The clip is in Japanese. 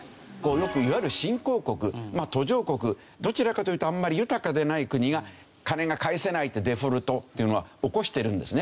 よくいわゆる新興国まあ途上国どちらかというとあんまり豊かでない国が金が返せないってデフォルトっていうのは起こしてるんですね。